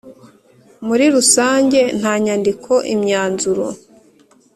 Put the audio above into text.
Muri rusange nta nyandiko imyanzuro